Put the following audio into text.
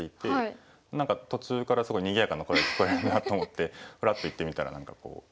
何か途中からすごいにぎやかな声が聞こえるなと思ってふらっと行ってみたら何かこう。